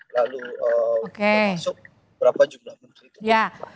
lalu termasuk berapa jumlah menteri itu